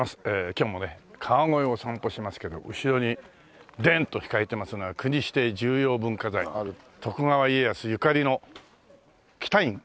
今日もね川越を散歩しますけど後ろにデンと控えてますのは国指定重要文化財の徳川家康ゆかりの喜多院という事で。